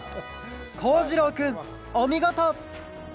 こうじろうくんおみごと！